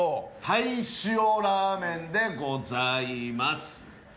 鯛塩ラーメンでございます。